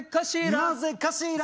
「なぜかしら」